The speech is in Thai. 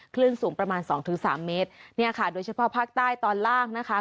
คลื่นสูงประมาณสองถึงสามเมตรเนี่ยค่ะโดยเฉพาะภาคใต้ตอนล่างนะคะ